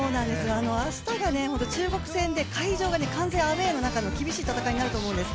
明日が会場が完全アウェーの中で厳しい戦いになると思うんです。